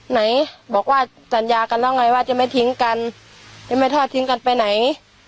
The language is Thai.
ไหนบอกว่าสัญญากันแล้วไงว่าจะไม่ทิ้งกันจะไม่ทอดทิ้งกันไปไหน